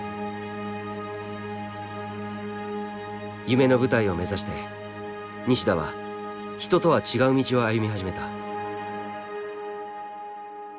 夢の舞台を目指して西田は人とは違う道を歩み始めた。